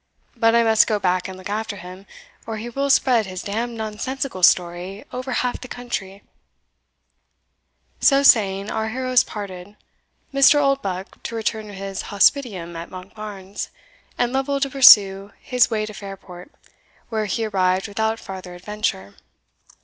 But I must go back and look after him, or he will spread his d d nonsensical story over half the country." Note C. Praetorium. So saying our heroes parted, Mr. Oldbuck to return to his hospitium at Monkbarns, and Lovel to pursue his way to Fairport, where he arrived without farther adventure.